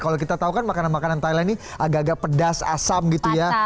kalau kita tahu kan makanan makanan thailand ini agak agak pedas asam gitu ya